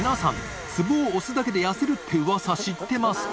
祿Г気ツボを押すだけで痩せるって噂知ってますか？